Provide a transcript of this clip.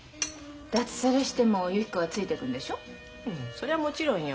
そりゃもちろんよ。